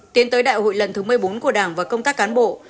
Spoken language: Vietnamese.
tiến tới đại hội lần thứ một mươi bốn của đảng và công tác cán bộ